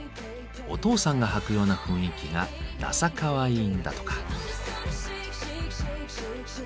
お父さんが履くような雰囲気がダサかわいいんだとか。